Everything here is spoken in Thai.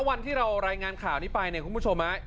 วันที่เรารายงานข่าวนี้ไปเนี่ยคุณผู้ชม